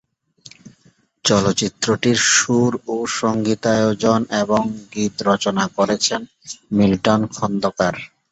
চলচ্চিত্রটির সুর ও সঙ্গীতায়োজন এবং গীত রচনা করেছেন মিল্টন খন্দকার।